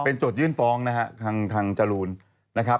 เป็นโจทยื่นฟ้องทางจรูนนะครับ